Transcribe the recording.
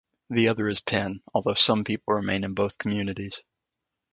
The other is Penn, although some people remain in both communities.